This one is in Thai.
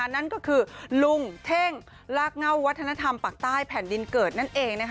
นั่นก็คือลุงเท่งลากเง่าวัฒนธรรมปากใต้แผ่นดินเกิดนั่นเอง